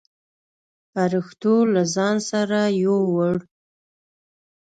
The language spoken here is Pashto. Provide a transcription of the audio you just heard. پرښتو له ځان سره يووړ.